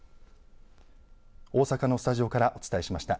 大阪のスタジオからお伝えしました。